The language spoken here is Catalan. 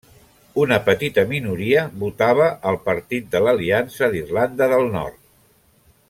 Una petita minoria votava al Partit de l'Aliança d'Irlanda del Nord.